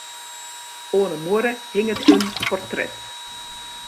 Oan 'e muorre hinget in portret.